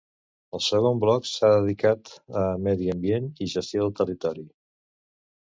El segon bloc s’ha dedicat a medi ambient i gestió del territori.